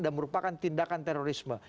dan merupakan tindakan terorisme